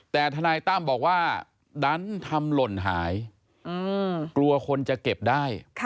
แต่ทนายตั้มบอกว่าดันทำหล่นหายกลัวคนจะเก็บได้